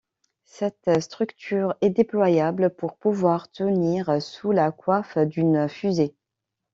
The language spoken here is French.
Cette structure est déployable pour pouvoir tenir sous la coiffe d'une fusée.